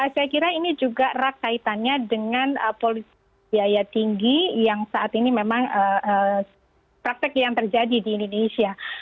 saya kira ini juga rakaitannya dengan polisi biaya tinggi yang saat ini memang praktik yang terjadi di indonesia